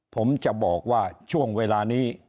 ผมจะบอกว่าช่วงเวลานี้